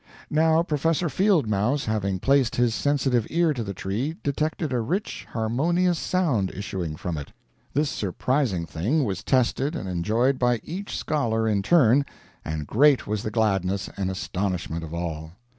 Now Professor Field Mouse having placed his sensitive ear to the tree, detected a rich, harmonious sound issuing from it. This surprising thing was tested and enjoyed by each scholar in turn, and great was the gladness and astonishment of all.